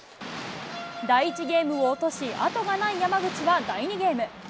第１ゲームを落とし、後がない山口は第２ゲーム。